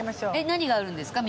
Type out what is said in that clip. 何があるんですか？